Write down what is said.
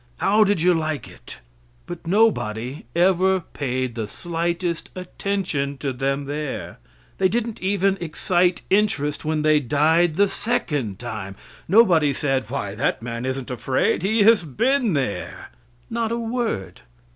How did you like it?" But nobody ever paid the slightest attention to them there. They didn't even excite interest when they died the second time. Nobody said, "Why, that man isn't afraid. He has been there." Not a word.